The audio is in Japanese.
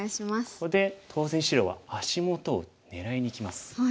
ここで当然白は足元を狙いにきます。